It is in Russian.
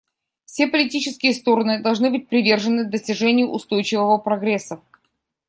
Все политические стороны должны быть привержены достижению устойчивого прогресса.